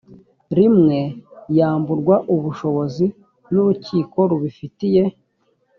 rimwe yamburwa ubushobozi n urukiko rubifitiye